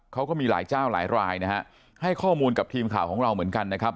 เขาก็มีหลายเจ้าหลายรายนะฮะให้ข้อมูลกับทีมข่าวของเราเหมือนกันนะครับ